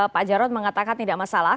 pak jarod mengatakan tidak masalah